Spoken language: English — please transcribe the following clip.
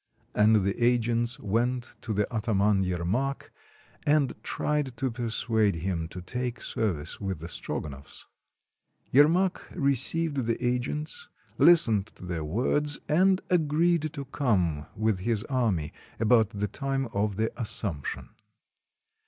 And the agents went to the ataman Yermak, and tried to persuade him to take service with the Strogonoffs. Yermak received the agents, Ustened to their words, and agreed to come with his army about the time of the Assumption.